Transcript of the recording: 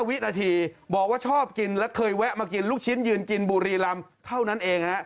วินาทีบอกว่าชอบกินและเคยแวะมากินลูกชิ้นยืนกินบุรีรำเท่านั้นเองฮะ